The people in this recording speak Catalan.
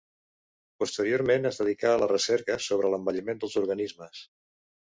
Posteriorment es dedicà a la recerca sobre l'envelliment dels organismes.